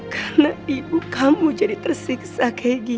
karena ibu kamu jadi tersiksa kayak gini